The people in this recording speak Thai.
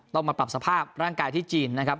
ต้องมาปรับสภาพร่างกายที่จีนนะครับ